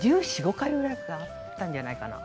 １４１５回ぐらいあったんじゃないかな？